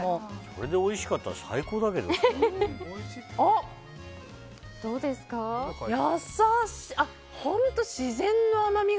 それでおいしかったら最高だけどさ。